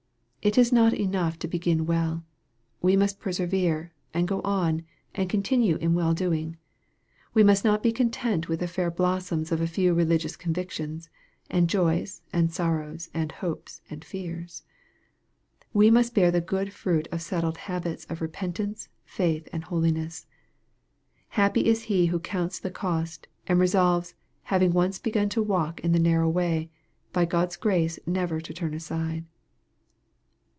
It is not enough to begin well. We must persevere, and go on, and continue in well doing. We must not be content with the fair blossoms of a few religious convictions, and joys, and sorrows, and hopes, and fears. We must bear the good fruit of settled habits of repentance, faith, and holiness. Happy is he who counts the cost, and resolves, having once begun to walk in the narrow way, by God's grace never to turn aside.